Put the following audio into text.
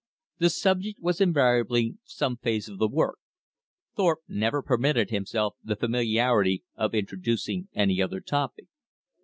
The subject was invariably some phase of the work. Thorpe never permitted himself the familiarity of introducing any other topic.